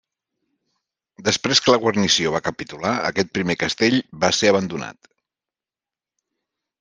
Després que la guarnició va capitular, aquest primer castell va ser abandonat.